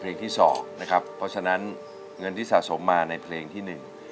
เพราะฉะนั้นเงินที่สะสมมานายเพลงที่๑